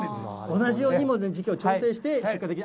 同じように、時期を調整して出荷できる。